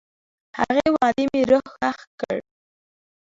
هغې وعدې مې روح ښخ کړ.